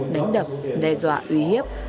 đánh đập đe dọa ủy hiếp